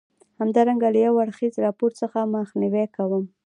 همدارنګه له یو اړخیز راپور څخه مخنیوی کوم.